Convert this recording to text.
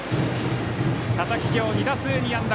佐々木、今日２打数２安打。